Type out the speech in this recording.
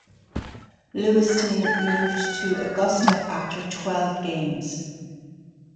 Lewiston moved to Augusta after twelve games.